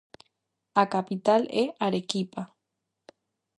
A capital é Arequipa.